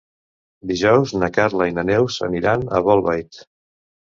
Dijous na Carla i na Neus aniran a Bolbait.